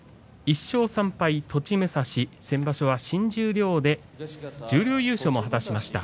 １勝３敗、栃武蔵先場所は新十両で準優勝を果たしました。